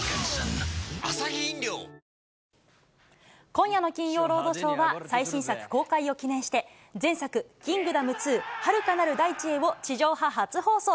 今夜の金曜ロードショーは、最新作公開を記念して、前作、キングダム２遥かなる大地へを地上波初放送。